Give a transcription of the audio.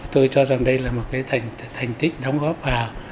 tôi cho rằng đây là một cái thành tích đóng góp